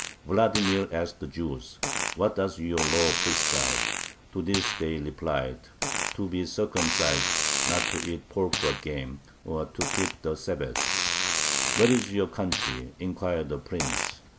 Vladimir asked the Jews: "What does your law prescribe?" To this they replied: "To be circumcised, not to eat pork or game, and to keep the Sabbath." "Where is your country?" inquired the Prince.